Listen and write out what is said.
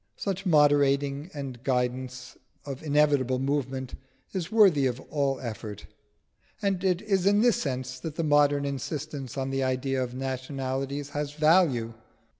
Such moderating and guidance of inevitable movement is worthy of all effort. And it is in this sense that the modern insistance on the idea of Nationalities has value.